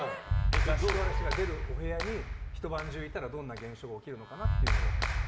座敷わらしが出る部屋に一晩中いたらどんな現象が起きるのかなって。